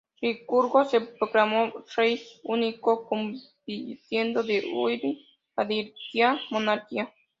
Licurgo se proclamó rey único, convirtiendo "de iure" la diarquía en monarquía.